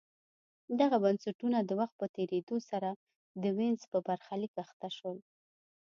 دغه بنسټونه د وخت په تېرېدو سره د وینز په برخلیک اخته شول